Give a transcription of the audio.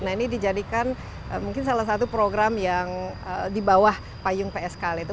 nah ini dijadikan mungkin salah satu program yang di bawah payung pskl itu